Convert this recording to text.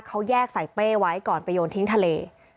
เขาแยกใส่เป้ไว้ก่อนไปโยนทิ้งทะเล